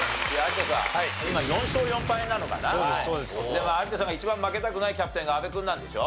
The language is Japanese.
でも有田さんが一番負けたくないキャプテンが阿部君なんでしょ？